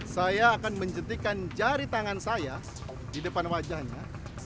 saya akan menjetikan jari tangan saya di depan wajahnya